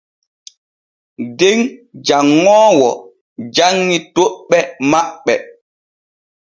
Den janŋoowo janŋi toɓɓe maɓɓe.